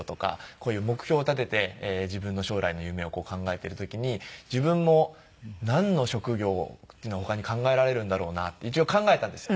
こういう目標を立てて自分の将来の夢を考えている時に自分もなんの職業っていうのを他に考えられるんだろうなって一応考えたんですよ。